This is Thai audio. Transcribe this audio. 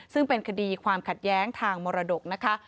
ซึ่งเป็นคดีความขัดแย้งทางมรดกนะคะ